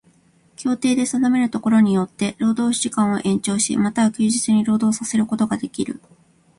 協定で定めるところによつて労働時間を延長し、又は休日に労働させることができる。